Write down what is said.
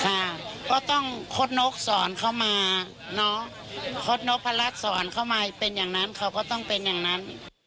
ก็ต้องคดนกสอนเข้ามาน้องคดนกพระรัชสอนเข้ามาเป็นอย่างนั้นเขาก็ต้องเป็นอย่างนั้น